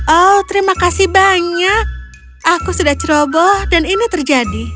oh terima kasih banyak aku sudah ceroboh dan ini terjadi